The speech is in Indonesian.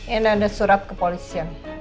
ini ada surat ke polisian